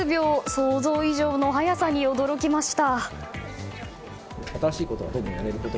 想像以上の速さに驚きました。